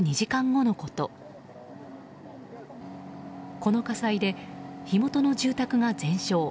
この火災で火元の住宅が全焼。